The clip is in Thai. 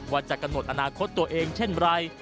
ว่าจะกำหนดอนาคตตัวเองเช่นไร